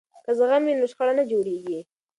که زغم وي نو شخړه نه جوړیږي.